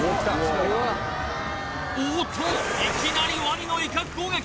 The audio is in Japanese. おっといきなりワニの威嚇攻撃